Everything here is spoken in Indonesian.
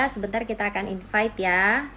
sebentar kita akan invite ya